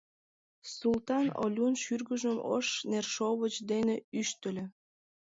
Султан Олюн шӱргыжым ош нершовыч дене ӱштыльӧ.